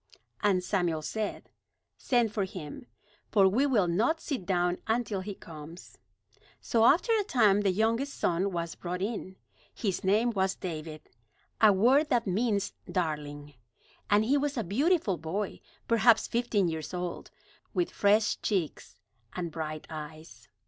And Samuel said: "Send for him; for we will not sit down until he comes." So after a time the youngest son was brought in. His name was David, a word that means "darling," and he was a beautiful boy, perhaps fifteen years old, with fresh cheeks and bright eyes.